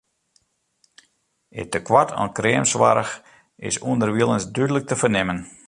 It tekoart oan kreamsoarch is ûnderwilens dúdlik te fernimmen.